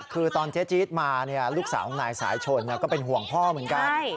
คือตอนเจ๊จี๊ดมาลูกสาวของนายสายชนก็เป็นห่วงพ่อเหมือนกัน